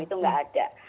itu nggak ada